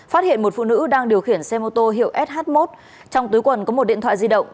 phát hiện một phụ nữ đang điều khiển xe mô tô hiệu sh một trong túi quần có một điện thoại di động